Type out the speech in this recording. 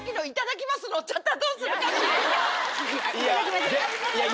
いただきまちゅ。